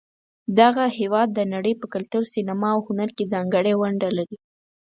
دغه هېواد د نړۍ په کلتور، سینما، او هنر کې ځانګړې ونډه لري.